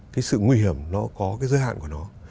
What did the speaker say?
cái sự nguy hiểm nó có cái giới hạn của nó